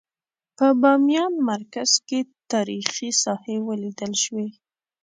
په بامیان مرکز کې تاریخي ساحې ولیدل شوې.